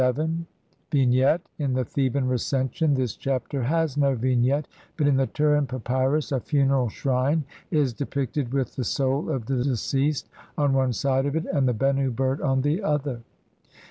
10,477, sheet 8).] Vignette : In the Theban Recension this Chapter has no vignette ; but in the Turin Papyrus (Lepsius, op. cit., Bl. 20) a funeral shrine is depicted with the soul of the deceased on one side of it, and the Bennu bird on the other.